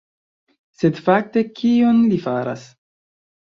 Sed fakte kion li faras?